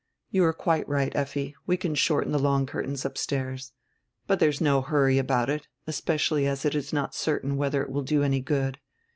"You are quite right, Effi, we can shorten the long curtains upstairs. But drere is no hurry about it, especially as it is not certain whedrer it will do any good.